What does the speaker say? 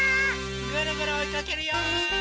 ぐるぐるおいかけるよ！